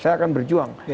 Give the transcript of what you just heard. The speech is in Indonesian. saya akan berjuang